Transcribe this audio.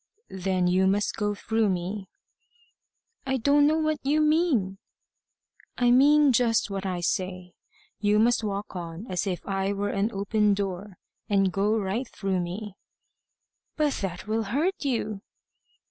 "Then you must go through me." "I don't know what you mean." "I mean just what I say. You must walk on as if I were an open door, and go right through me." "But that will hurt you."